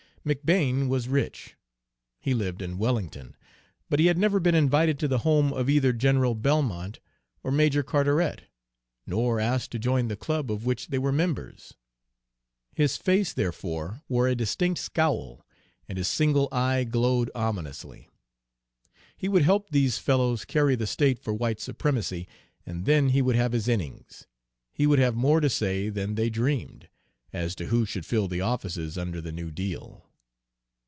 McBane was rich; he lived in Wellington, but he had never been invited to the home of either General Belmont or Major Carteret, nor asked to join the club of which they were members. His face, therefore, wore a distinct scowl, and his single eye glowed ominously. He would help these fellows carry the state for white supremacy, and then he would have his innings, he would have more to say than they dreamed, as to who should fill the offices under the new deal.